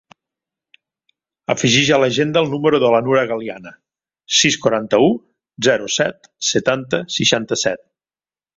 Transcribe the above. Afegeix a l'agenda el número de la Nura Galiana: sis, quaranta-u, zero, set, setanta, seixanta-set.